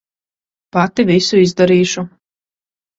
Pati visu izdarīšu.